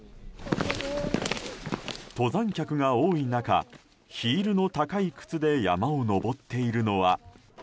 登山客が多い中ヒールの高い靴で山を登っているのは。